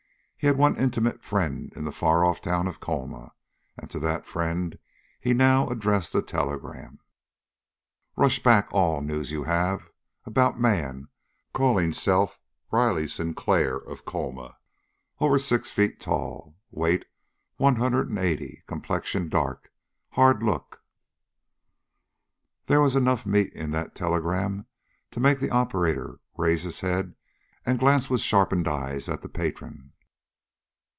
He had one intimate friend in the far off town of Colma, and to that friend he now addressed a telegram. Rush back all news you have about man calling self Riley Sinclair of Colma over six feet tall, weight hundred and eighty, complexion dark, hard look. There was enough meat in that telegram to make the operator rise his head and glance with sharpened eyes at the patron.